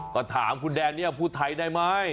ก็ถามคุณแดเนียลพูดไทยได้ไหม